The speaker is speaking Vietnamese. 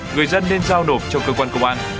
người dân nên giao nộp cho cơ quan công an